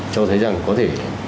cho thấy rằng có thể